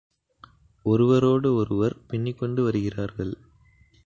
ஒருவரோடு ஒருவர் பின்னிக்கொண்டு வருகிறார்கள்.